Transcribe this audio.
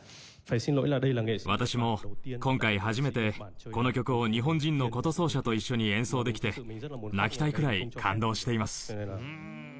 私も今回初めてこの曲を日本人の箏奏者と一緒に演奏できて泣きたいくらい感動しています。